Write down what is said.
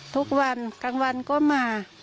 ทุกวันกลางวันก็มา